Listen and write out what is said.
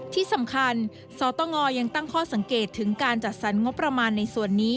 ที่สำคัญสตงยังตั้งข้อสังเกตถึงการจัดสรรงบประมาณในส่วนนี้